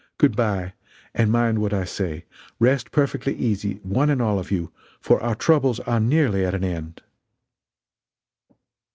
Good bye and mind what I say: Rest perfectly easy, one and all of you, for our troubles are nearly at an end."